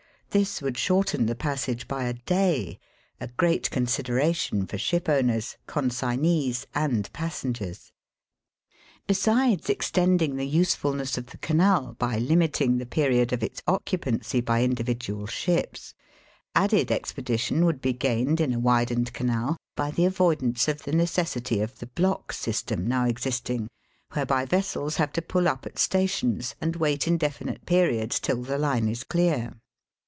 This would shorten the passage by a day — a great consideration for shipowners, consignees, and passengers. Besides extending the usefulness of the Canal by limiting the period of its occupancy Digitized by VjOOQIC 360 EAST BY WEST. by individual ships, added expedition would be gained in a widened canal by the avoid ance of the necessity of the block system now existing, whereby vessels have to pull up at stations, and wait indefinite periods till the line is clear.